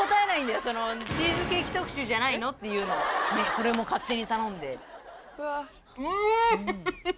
これも勝手に頼んで。